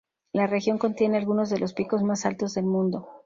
La región contiene algunos de los picos más altos del mundo.